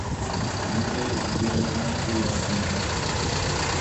இன்றேல் இவ்விரண்டுமே கீழ் ஆகிவிடும்.